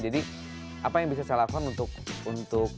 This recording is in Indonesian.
jadi apa yang bisa saya lakukan untuk